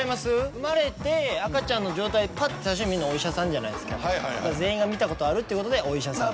生まれて赤ちゃんの状態で最初に見るのお医者さんじゃないですかだから全員が見たことあるってことでお医者さん。